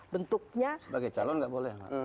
bentuknya sebagai calon nggak boleh